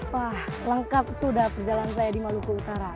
wah lengkap sudah perjalanan saya di maluku utara